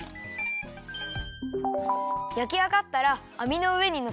やきあがったらあみのうえにのせてさますよ。